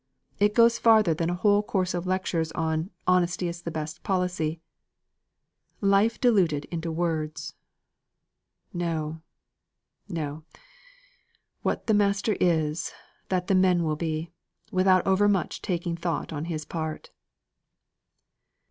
It goes farther than a whole course of lectures on 'Honesty is the Best Policy' life diluted into words. No, no! What the master is, that will the men be, without over much taking thought on his part."